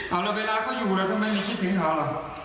เอาแล้วเวลาเขาอยู่แล้วทำไมไม่คิดถึงเขาเหรอ